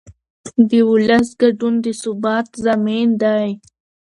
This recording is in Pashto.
د ولس ګډون د ثبات ضامن دی